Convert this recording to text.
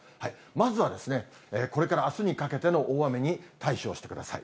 まずはこれからあすにかけての大雨に対処をしてください。